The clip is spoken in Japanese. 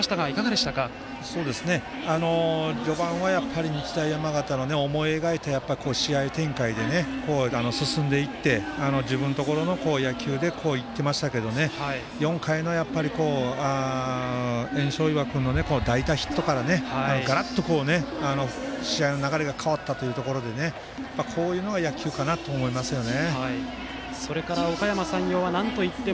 やっぱり、序盤は日大山形の思い描いた試合展開で進んでいって自分のところの野球ができていましたが４回の焔硝岩君の代打ヒットからがらっと試合の流れが変わったというところでこういうのが野球かなと思いますよね。